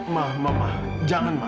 ma mama jangan ma